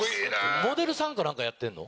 モデルさんか何かやってるの？